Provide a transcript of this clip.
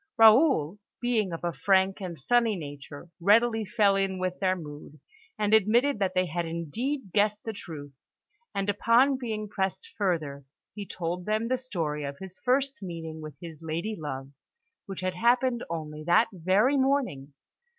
Raoul, being of a frank and sunny nature, readily fell in with their mood, and admitted that they had indeed guessed the truth; and upon being pressed further, he told them the story of his first meeting with his lady love, which had happened only that very morning.